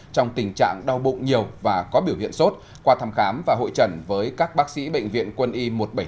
trong tình trạng đau bụng nhiều và có biểu hiện sốt qua thăm khám và hội trần với các bác sĩ bệnh viện quân y một trăm bảy mươi năm